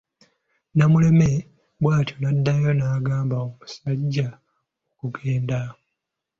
Namuleme bwatyo n'addayo n'agamba omusajja okugenda.